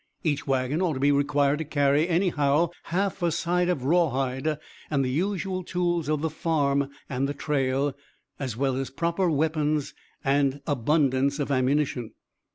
Each wagon ought to be required to carry anyhow half a side of rawhide, and the usual tools of the farm and the trail, as well as proper weapons and abundance of ammunition.